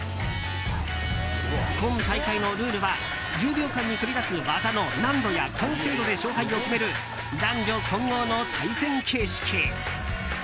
今大会のルールは１０秒間に繰り出す技の難度や完成度で勝敗を決める男女混合の対戦形式。